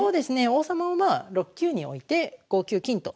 王様を６九に置いて５九金と。